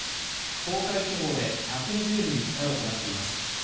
東海地方で１２０ミリなどとなっています